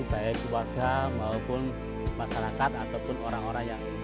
baik warga maupun masyarakat ataupun orang orang yang